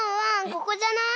ここじゃない？